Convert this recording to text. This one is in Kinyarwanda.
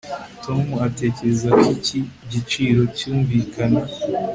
tom atekereza ko iki giciro cyumvikana